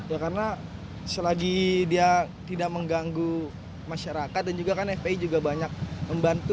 ya karena selagi dia tidak mengganggu masyarakat dan juga kan fpi juga banyak membantu